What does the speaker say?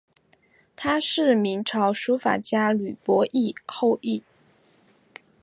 她是明朝书法家吕伯懿后裔。